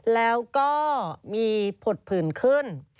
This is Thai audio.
แล้วก็มีผดผื่นขึ้น